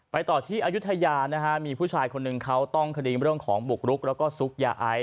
ต่อที่อายุทยานะฮะมีผู้ชายคนหนึ่งเขาต้องคดีเรื่องของบุกรุกแล้วก็ซุกยาไอซ